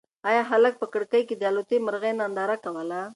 ایا هلک په کړکۍ کې د الوتی مرغۍ ننداره کوله؟